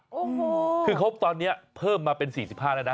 โอ้โหคือเขาตอนนี้เพิ่มมาเป็น๔๕แล้วนะ